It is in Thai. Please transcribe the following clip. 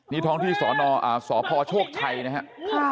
นี่ท้องที่สอพอโชคชัยนะฮะ